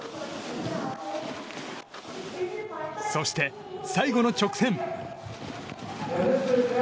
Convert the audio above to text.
そして、最後の直線。